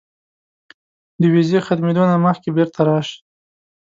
د ویزې ختمېدو نه مخکې بیرته راشه.